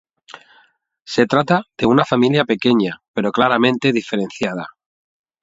Se trata de una familia pequeña pero claramente diferenciada.